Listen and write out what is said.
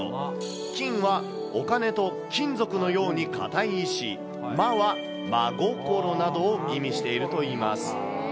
きんはお金と金属のように固い意志、まは真心などを意味しているといいます。